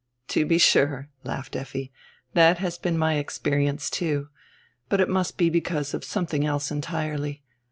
"To be sure," laughed Effi, "that has been my experi ence, too. But it must be because of something else entirely.